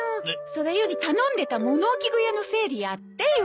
それより頼んでた物置小屋の整理やってよ。